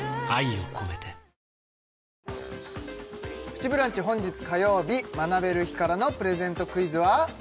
「プチブランチ」本日火曜日学べる日からのプレゼントクイズは？